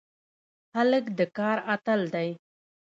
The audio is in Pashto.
هلک د کار اتل دی.